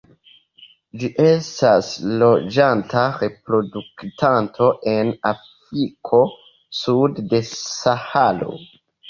Ĝi estas loĝanta reproduktanto en Afriko sude de Saharo.